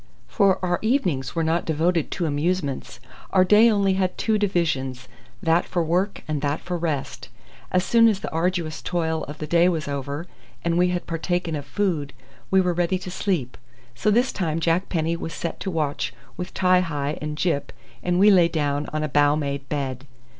For our evenings were not devoted to amusements. Our day only had two divisions, that for work and that for rest. As soon as the arduous toil of the day was over, and we had partaken of food, we were ready for sleep; so this time Jack Penny was set to watch with Ti hi and Gyp, and we lay down on a bough made bed.